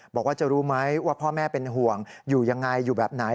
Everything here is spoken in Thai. บอกว่าจะรู้ไหมว่าพ่อแม่เป็นห่วงอยู่ยังไงอยู่แบบไหน